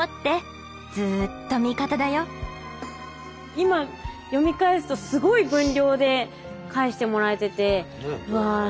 今読み返すとすごい分量で返してもらえててうわ